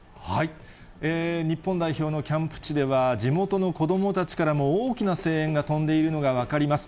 日本代表のキャンプ地では、地元の子どもたちからも大きな声援が飛んでいるのが分かります。